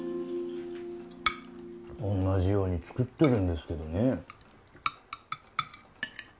同じように作ってるんですけどね